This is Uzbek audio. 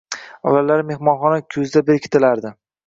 Avvallari mehmonxona kuzda berkitilardi